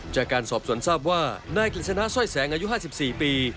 จากการสอบสวนทราบว่านายกฤษณะสร้อยแสงอายุ๕๔ปี